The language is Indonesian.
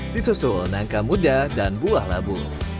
di sosol nangka muda dan buah labu